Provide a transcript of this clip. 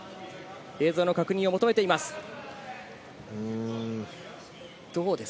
映像の確認を求めています。